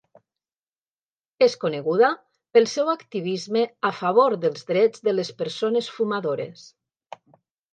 És coneguda pel seu activisme a favor dels drets de les persones fumadores.